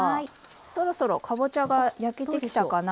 そろそろかぼちゃが焼けてきたかなと思って。